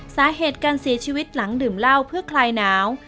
สาเหตุการเสียชีวิตหลังดื่มเหล้าเพื่อคลายหนาว